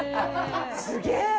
すげえ！